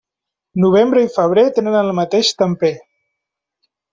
Novembre i febrer tenen el mateix temper.